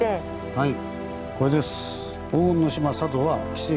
はい。